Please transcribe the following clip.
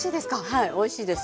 はいおいしいです。